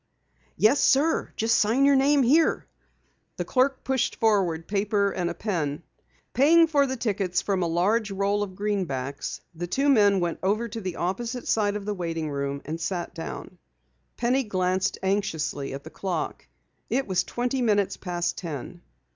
"Yes, sir. Just sign your name here." The clerk pushed forward paper and a pen. Paying for the tickets from a large roll of greenbacks, the two men went over to the opposite side of the waiting room and sat down. Penny glanced anxiously at the clock. It was twenty minutes past ten.